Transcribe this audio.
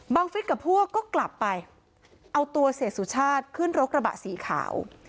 ฟิศกับพวกก็กลับไปเอาตัวเสียสุชาติขึ้นรถกระบะสีขาว